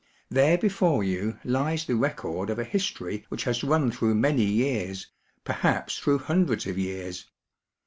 There before you lies the record of a history which has run through many years, perhaps through hundreds of years.